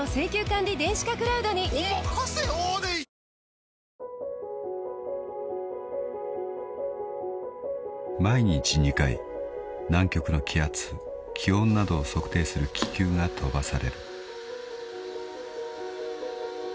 選ぶ日がきたらクリナップ［毎日２回南極の気圧・気温などを測定する気球が飛ばされる］